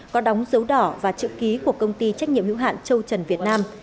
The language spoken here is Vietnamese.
có đóng dấu đỏ và chữ ký của công ty trách nhiệm hữu hạn châu trần việt nam